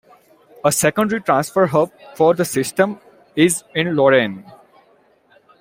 A secondary transfer hub for the system is in Lorain.